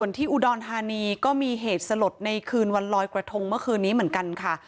ที่อุดรธานีก็มีเหตุสลดในคืนวันลอยกระทงเมื่อคืนนี้เหมือนกันค่ะ